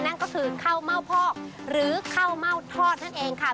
นั่นก็คือข้าวเม่าพอกหรือข้าวเม่าทอดนั่นเองค่ะ